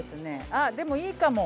あっでもいいかも。